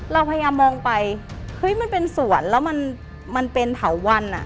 เราพยายามมองไปเฮ้ยมันเป็นสวนแล้วมันเป็นเถาวันอ่ะ